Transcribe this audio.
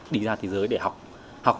đi ra thế giới để học